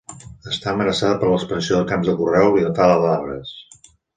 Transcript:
Està amenaçada per l'expansió dels camps de conreu i la tala d'arbres.